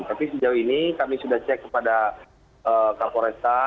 tapi sejauh ini kami sudah cek kepada kapolresta